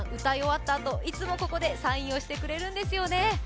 歌い終わったあといつもここでサインをしてくれるんですよね